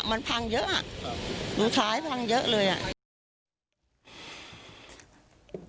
มันพังเยอะอ่ะมือซ้ายพังเยอะเลยอ่ะ